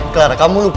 clara kamu lupa